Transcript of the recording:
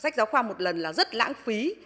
sách giáo khoa một lần là rất lãng phí